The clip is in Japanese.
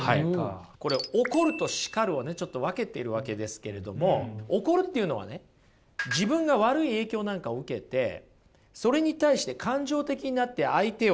これ怒ると叱るをねちょっと分けているわけですけれども怒るっていうのはね自分が悪い影響なんかを受けてそれに対して感情的になって相手を責めることですよね？